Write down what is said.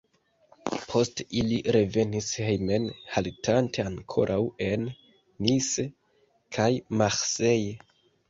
Poste ili revenis hejmen haltante ankoraŭ en Nice kaj Marseille.